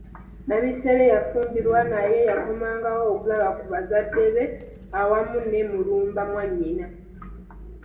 Nabisere yafumbirwa naye yakomangawo okulaba ku bazade be awamu ne Mulumba mwannyina.